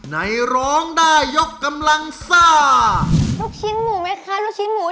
ร้องได้ยกกำลังซ่าลูกชิ้นหมูไหมคะลูกชิ้นหมู